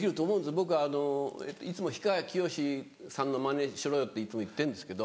僕いつも氷川きよしさんのマネしろよっていつも言ってんですけど。